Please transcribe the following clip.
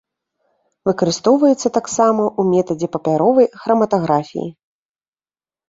Выкарыстоўваецца таксама ў метадзе папяровай храматаграфіі.